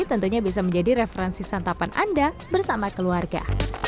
tentunya bisa menjadi referensi santapan anda bersama keluarga